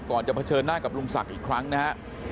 จะเผชิญหน้ากับลุงศักดิ์อีกครั้งนะฮะ